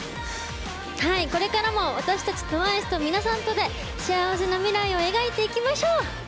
これからも私たちＴＷＩＣＥと皆さんとで幸せな未来を描いていきましょう。